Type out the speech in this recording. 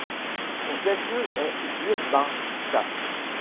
Son chef-lieu est Jurbarkas.